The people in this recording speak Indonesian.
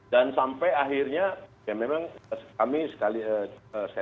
dan sampai akhirnya ya memang kami sekali lagi